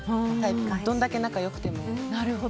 どれだけ仲良くても。